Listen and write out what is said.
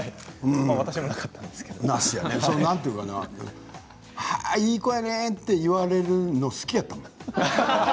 私もなかったんですけど。なんて言うのかないい子やねって言われるの好きやったもん。